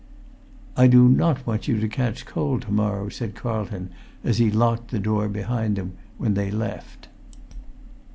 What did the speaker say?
"I do not want you to catch cold to morrow," said Carlton, as he locked the door behind them when they left.